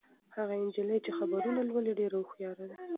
هغه نجلۍ چې خبرونه لولي ډېره هوښیاره ده.